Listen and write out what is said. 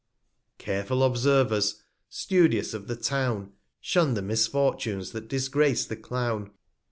Careful Observers, studious of the Town, Shun the Misfortunes that disgrace the Clown.